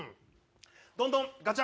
どんどん、ガチャ。